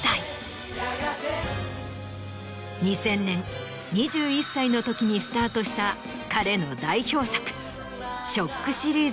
２０００年２１歳のときにスタートした彼の代表作。